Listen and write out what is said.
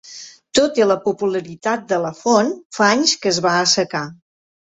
Tot i la popularitat de la font, fa anys que es va assecar.